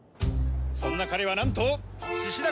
そんな彼はなんと獅子だ